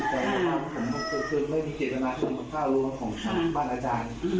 ก็ไม่มีเกตนาที่ประท่ารวมของบ้านอาจารย์